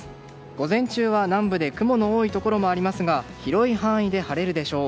午前中は南部で雲の多いところもありますが広い範囲で晴れるでしょう。